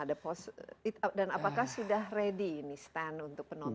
dan apakah sudah ready ini stand untuk penonton